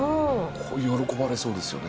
喜ばれそうですよね。